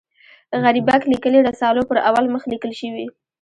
غریبک لیکلي رسالو پر اول مخ لیکل شوي.